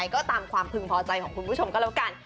ก็ตามความพึงพอใจของคุณผู้ชมก็แล้วกัน